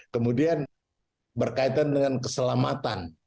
kemudian berkaitan dengan keselamatan